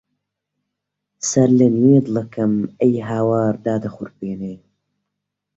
سەرلەنوێ دڵەکەم ئەی هاوار دادەخورپێنێ